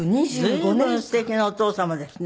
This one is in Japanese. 随分すてきなお父様ですね。